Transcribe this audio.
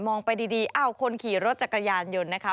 มองไปดีคนขี่รถจักรยานยนต์นะครับ